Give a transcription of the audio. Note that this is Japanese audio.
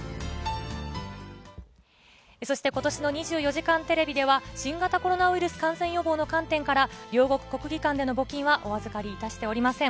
そしてことしの２４時間テレビでは、新型コロナウイルス感染予防の観点から両国国技館での募金はお預かりしておりません。